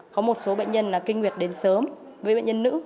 có một số bệnh nhân kinh nguyệt đến sớm với bệnh nhân nữ